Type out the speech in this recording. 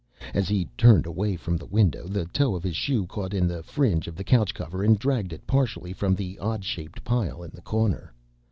As he turned away from the window the toe of his shoe caught in the fringe of the couch cover and dragged it partially from the odd shaped pile in the corner.